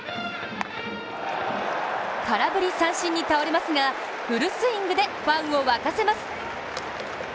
空振り三振に倒れますがフルスイングでファンを沸かせます。